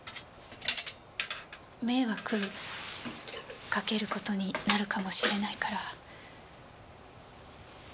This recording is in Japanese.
迷惑かける事になるかもしれないから。